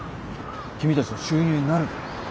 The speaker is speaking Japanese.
君たちの収入になるから。